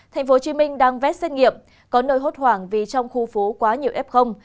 tp hcm đang vét xét nghiệm có nơi hốt hoảng vì trong khu phố quá nhiều ép không